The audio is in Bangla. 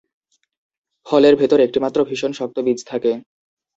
ফলের ভেতর একটিমাত্র ভীষণ শক্ত বীজ থাকে।